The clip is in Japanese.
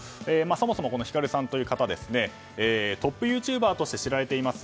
そもそもヒカルさんという方はトップユーチューバーとして知られています。